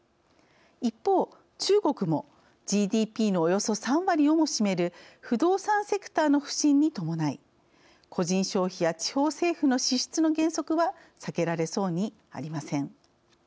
一方、中国もＧＤＰのおよそ３割をも占める不動産セクターの不振に伴い個人消費や地方政府の支出の減速は避けられそうにありません。